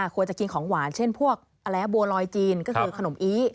ควรจะกินของหวานเช่นพวกบัวลอยจีนก็คือขนมอี